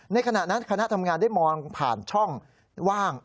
ขณะนั้นคณะทำงานได้มองผ่านช่องว่าง